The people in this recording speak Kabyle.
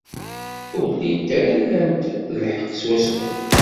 Ur llint ara lant lḥeqq swaswa.